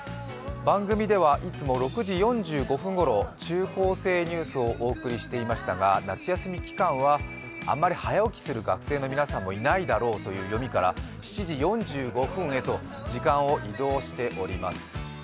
番組ではいつも６時４５分ごろ中高生ニュースをお送りしていましたが、夏休み期間はあまり早起きする学生の皆さんもいないだろうという読みから７時４５分へと時間を移動しております。